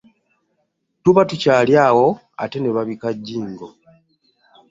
Tuba tukyali awo ate ne babika Jjingo.